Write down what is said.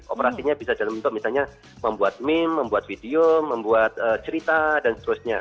operasinya bisa dalam bentuk misalnya membuat meme membuat video membuat cerita dan seterusnya